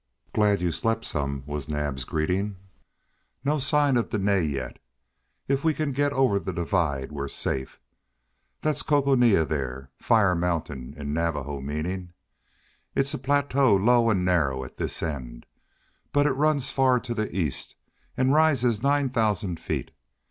"Glad you slept some," was Naab's greeting. "No sign of Dene yet. If we can get over the divide we're safe. That's Coconina there, Fire Mountain in Navajo meaning. It's a plateau low and narrow at this end, but it runs far to the east and rises nine thousand feet.